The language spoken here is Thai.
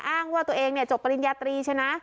อ้างว่าตัวเองเนี่ยจบปริญญาตรีใช่นะ